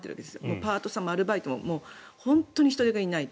パートさんもアルバイトも本当に人手がいないと。